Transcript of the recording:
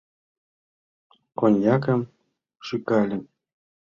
Коньякым шӱкале.